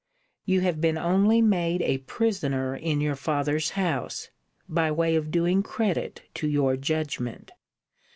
You have been only made a prisoner in your father's house, by way of doing credit to your judgment!